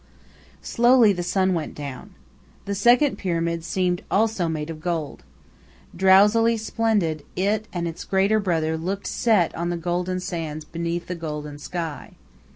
Slowly the sun went down. The second Pyramid seemed also made of gold. Drowsily splendid it and its greater brother looked set on the golden sands beneath the golden sky.